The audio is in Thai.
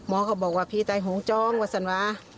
หมอก็บอกว่าพี่ตายหงจ้อมกว่าสันวา